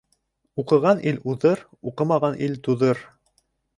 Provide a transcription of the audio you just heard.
Уҡыған ил уҙыр, уҡымаған ил туҙыр.